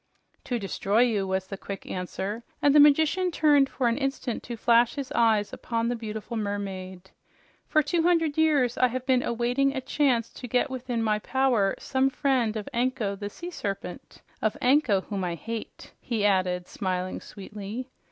"To destroy you," was the quick answer, and the magician turned for an instant to flash his eyes upon the beautiful mermaid. "For two hundred years I have been awaiting a chance to get within my power some friend of Anko the Sea Serpent of Anko, whom I hate!" he added, smiling sweetly.